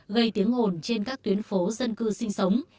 gây tiếng ồn trên các tuyến phố dân cư sinh sống